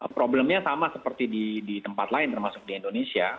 problemnya sama seperti di tempat lain termasuk di indonesia